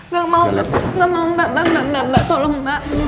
gak mau gak mau mbak mbak mbak mbak tolong mbak